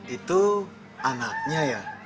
itu anaknya ya